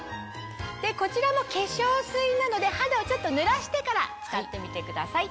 こちらも化粧水などで肌をちょっとぬらしてから使ってみてください。